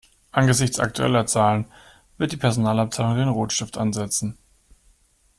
Angesichts aktueller Zahlen wird die Personalabteilung den Rotstift ansetzen.